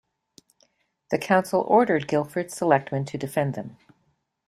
The Council ordered Guilford's selectmen to defend them.